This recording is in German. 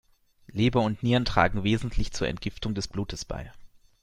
Leber und Nieren tragen wesentlich zur Entgiftung des Blutes bei.